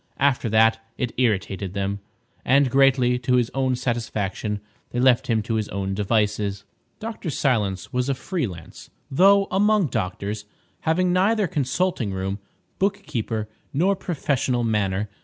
After that, it irritated them, and, greatly to his own satisfaction, they left him to his own devices. Dr. Silence was a free lance, though, among doctors, having neither consulting room, bookkeeper, nor professional manner.